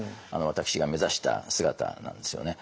私が目指した姿なんですよね。